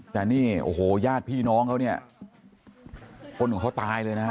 แต่นี่โอ้โหญาติพี่น้องเขาเนี่ยคนของเขาตายเลยนะฮะ